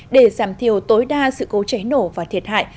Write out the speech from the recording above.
để giảm thiểu tối đa sự cố cháy nổ và thiệt hại